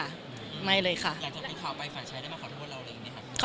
ถ้าอยากที่มันพิกัดไปฝันชัยได้มาขอโทษเราหรือไงคะ